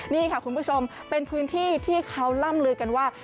นี่ค่ะคุณผู้ชมเป็นพื้นที่ที่เขาล่ำลือกันว่า